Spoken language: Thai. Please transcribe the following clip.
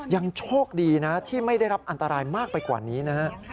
ยังโชคดีนะที่ไม่ได้รับอันตรายมากไปกว่านี้นะฮะ